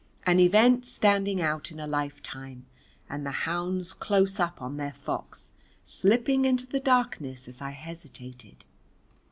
an event standing out in a lifetime, and the hounds close up on their fox, slipping into the darkness as I hesitated.